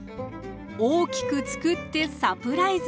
大きくつくってサプライズ。